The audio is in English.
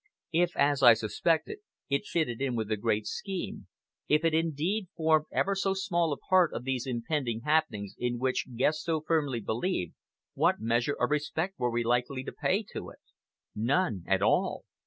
If, as I suspected, it fitted in with the great scheme, if it indeed formed ever so small a part of these impending happenings in which Guest so firmly believed, what measure of respect were we likely to pay to it? None at all!